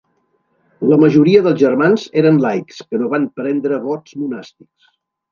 La majoria dels germans eren laics que no van prendre vots monàstics.